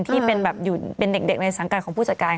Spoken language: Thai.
ที่เป็นเด็กในศังกัดของผู้จัดการ